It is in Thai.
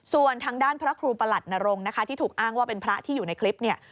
ส่วนทางด้านพระครูประหลัดนรงค์นะคะที่ถูกอ้างว่าเป็นพระที่อยู่ในคลิปเนี่ย